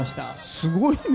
すごいね。